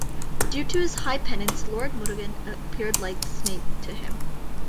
Due to his high penance, Lord murugan appeared like snake to him.